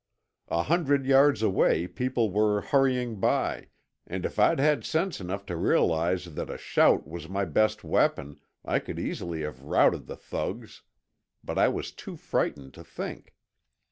A hundred yards away people were hurrying by, and if I'd had sense enough to realize that a shout was my best weapon I could easily have routed the thugs. But I was too frightened to think.